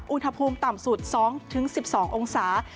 อุณหภูมิต่ำสุด๒๑๒องศา